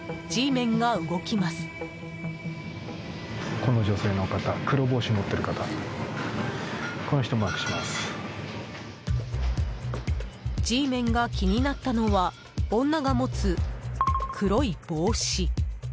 Ｇメンが気になったのは女が持つ黒い帽子。